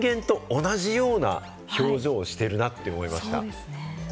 人間と同じような表情をしてるなって思いました。